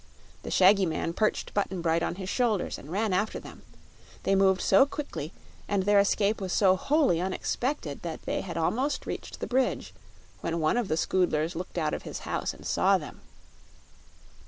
The shaggy man perched Button Bright on his shoulders and ran after them. They moved so quickly and their escape was so wholly unexpected that they had almost reached the bridge when one of the Scoodlers looked out of his house and saw them.